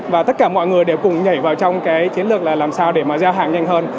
và tất cả mọi người đều cùng nhảy vào trong cái chiến lược là làm sao để mà giao hàng nhanh hơn